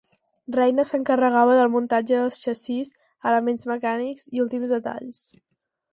Reina s'encarregava del muntatge del xassís, elements mecànics i últims detalls.